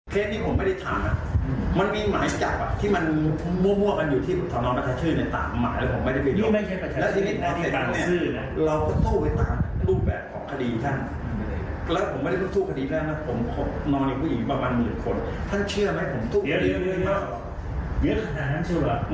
คือเนาะของแม้ที่ไม่ยินจับ